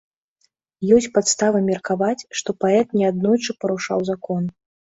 Ёсць падставы меркаваць, што паэт неаднойчы парушаў закон.